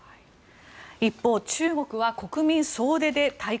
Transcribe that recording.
一方、中国は国民総出で対抗。